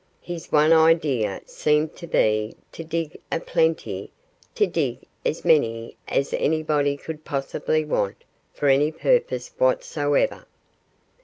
His one idea seemed to be to dig a plenty to dig as many as anybody could possibly want for any purpose whatsoever.